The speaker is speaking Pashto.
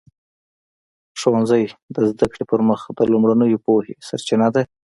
ښوونځی د زده کړې پر مخ د لومړنیو پوهې سرچینه ده.